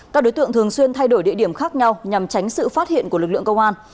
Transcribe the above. các đối tượng thường xuyên thay đổi địa điểm khác nhau nhằm tránh sự phát hiện của lực lượng công an